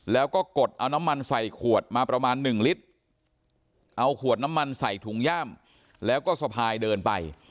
แล้วก็กดเอาน้ำมันใส่ขวดมาประมาณหนึ่งลิตรเอาขวดน้ำมันใส่ถุงย่ามแล้วก็สะพายเดินไป